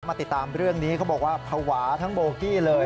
ติดตามเรื่องนี้เขาบอกว่าภาวะทั้งโบกี้เลย